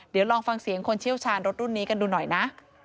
เดี๋ยวลองฟังเสียงคนเชี่ยวชาญรถรุ่นนี้กันดูหน่อยนะ